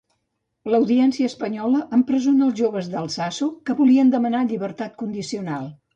L'Audiència espanyola empresona els joves d'Altsasu que volien demanar llibertat condicional.